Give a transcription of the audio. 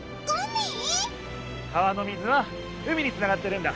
川の水は海につながってるんだ。